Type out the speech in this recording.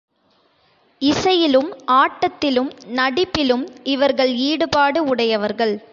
இசையிலும், ஆட்டத்திலும், நடிப்பிலும் இவர்கள் ஈடுபாடு உடையவர்கள்.